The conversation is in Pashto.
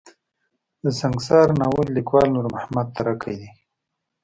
د سنګسار ناول ليکوال نور محمد تره کی دی.